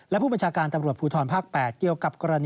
และผู้บัญชาการตำรวจภูทรภาค๘